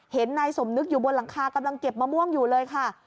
เห็นนายสมนึกอยู่บนหลังคากำลังเก็บมะม่วงอยู่เลยค่ะ